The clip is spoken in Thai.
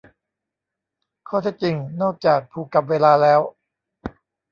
ข้อเท็จจริง นอกจากผูกกับเวลาแล้ว